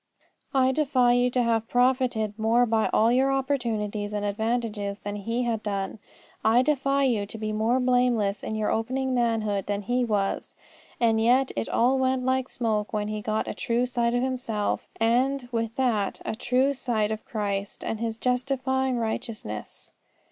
I defy you to have profited more by all your opportunities and advantages than he had done. I defy you to be more blameless in your opening manhood than he was. And yet it all went like smoke when he got a true sight of himself, and, with that, a true sight of Christ and His justifying righteousness.